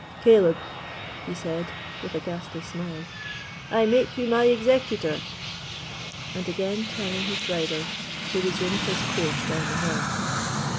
"Caleb!" he said, with a ghastly smile, "I make you my executor"; and again turning his bridle, he resumed his course down the hill.